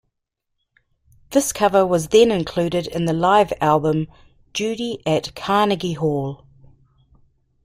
This cover was then included in the live album "Judy at Carnegie Hall".